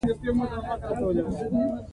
اې له خاورو جوړه، په پيسو پسې ناجوړه !